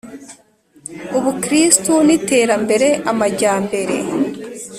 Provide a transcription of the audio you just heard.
ubukristu n’iterambere(amajyambere) :